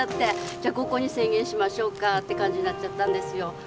じゃ５個に制限しましょうかって感じになっちゃったんですよ。